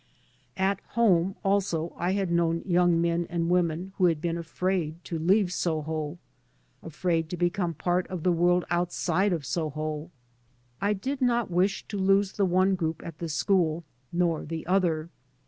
At home also I had known young men and women who had been afraid to leave Soho, afraid to become part of the world outside of Soho, I did not wish to lose the one group at the school, nor the other.